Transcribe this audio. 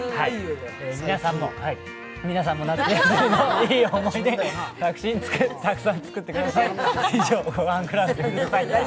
皆さんも夏休みのいい思い出、たくさん作ってください。